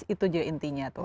itu juga intinya tuh